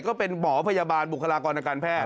ก็เป็นหมอพยาบาลบุคลากรทางการแพทย